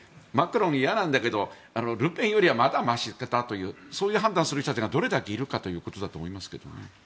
マクロン、嫌なんだけどルペンよりはまだましだというそういう判断をする人がどれだけいるかということだと思いますね。